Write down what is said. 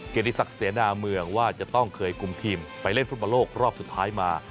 เกียรติศักดิ์เสนาเมืองว่าจะต้องเคยคุมทีมไปเล่นฟุตบอลโลกรอบสุดท้ายมา